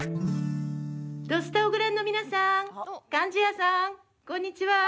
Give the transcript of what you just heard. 土スタをご覧の皆さん貫地谷さん、こんにちは。